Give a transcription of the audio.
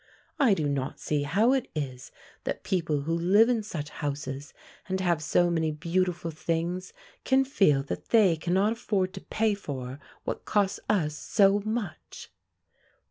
I do not see how it is that people who live in such houses, and have so many beautiful things, can feel that they cannot afford to pay for what costs us so much."